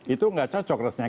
itu tidak cocok rasanya